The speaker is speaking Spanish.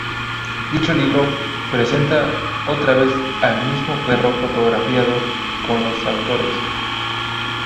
Dicho libro presenta otra vez al mismo perro fotografiado con los autores.